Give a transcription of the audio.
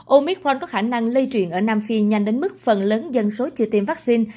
omitran có khả năng lây truyền ở nam phi nhanh đến mức phần lớn dân số chưa tiêm vaccine